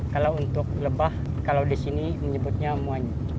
kalau untuk lebah kalau di sini menyebutnya muayi